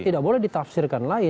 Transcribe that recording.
tidak boleh ditafsirkan lagi